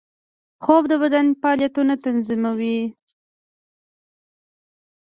خوب د بدن فعالیتونه تنظیموي